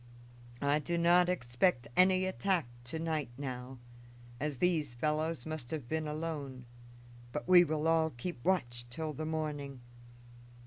I do not expect any attack to night now, as these fellows must have been alone; but we will all keep watch till the morning.